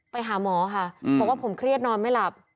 ไปหาหมอค่ะบอกว่าผมเครียดนอนไม่หลับ